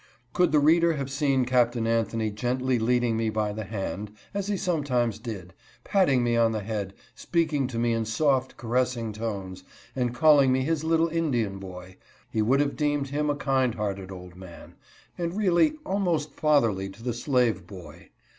Could the reader have seen Captain Anthony gently leading me by the hand, as he sometimes did, patting me on the head, speaking to me in soft, caressing tones, and calling me his little Indian boy, he would have deemed him a kind hearted old man, and really almost fatherly to the slave boy.